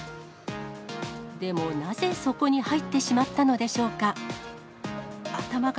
でもなぜそこに入ってしまったのでしょうか。